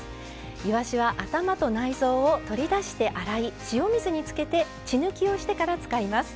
いわしは頭と内臓を取り出して洗い塩水につけて血抜きをしてから使います。